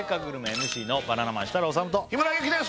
ＭＣのバナナマン設楽統と日村勇紀です